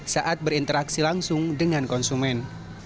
saat berinteraksi langsung dengan konsumen